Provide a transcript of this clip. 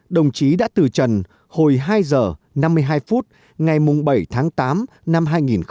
đồng chí đã từ trần hồi hai giờ năm mươi hai phút ngày bảy tháng tám năm hai nghìn hai mươi